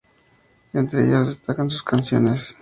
Entre ellas destacan sus canciones